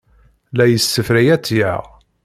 La yessefray ad tt-yaɣ.